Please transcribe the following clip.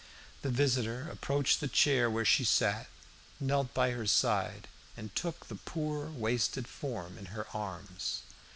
The visitor approached the chair where she sat, knelt by her side, and took the poor wasted form in her arms.